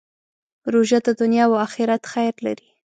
روژه د دنیا او آخرت خیر لري.